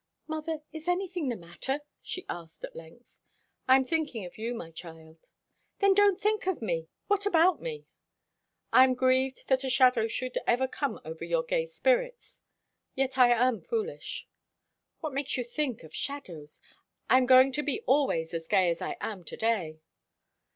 "Mother, is anything the matter?" she asked at length. "I am thinking of you, my child." "Then don't think of me! What about me?" "I am grieved that a shadow should ever come over your gay spirits. Yet I am foolish." "What makes you think of shadows? I am going to be always as gay as I am to day."